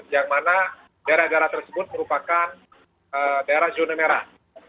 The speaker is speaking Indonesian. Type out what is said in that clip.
yang mana daerah daerah tersebut merupakan daerah zona merah